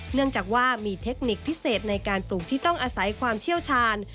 เนื่องจากว่ามีเทคนิคพิเศษในการปลูกที่ต้องอาศัยความเชี่ยวชาญ